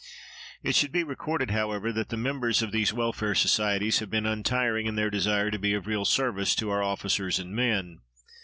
It should be recorded, however, that the members of these welfare societies have been untiring in their desire to be of real service to our officers and men.